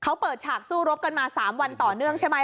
เขาเปิดฉากสู้รบกันมา๓วันต่อเนื่องใช่ไหม